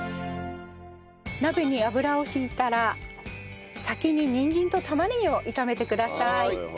鍋に油を引いたら先ににんじんと玉ねぎを炒めてください。